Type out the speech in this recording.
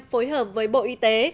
phối hợp với bộ y tế